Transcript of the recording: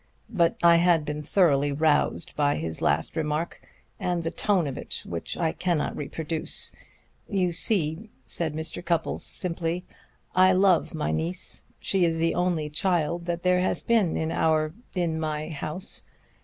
But I had been thoroughly roused by his last remark, and the tone of it, which I cannot reproduce. You see," said Mr. Cupples simply, "I love my niece. She is the only child that there has been in our in my house.